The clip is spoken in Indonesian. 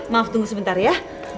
maaf tunggu sebentar ya